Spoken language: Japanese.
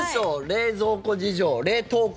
冷蔵庫事情、冷凍庫。